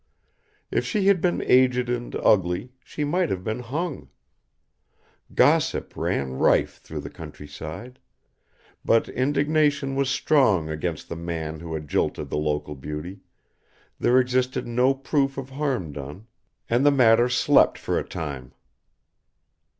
If she had been aged and ugly, she might have been hung. Gossip ran rife through the countryside. But indignation was strong against the man who had jilted the local beauty, there existed no proof of harm done, and the matter slept for a time.